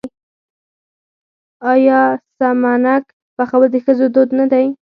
آیا سمنک پخول د ښځو دود نه دی؟